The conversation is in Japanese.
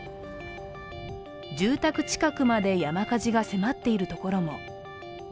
住宅近くまで山火事が迫っているところも。